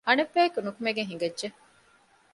އަނެއް ބަޔަކު ނުކުމެގެން ހިނގައްޖެ